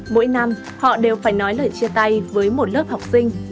mỗi năm họ đều phải nói lời chia tay với một lớp học sinh